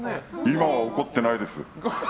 今は怒ってないです。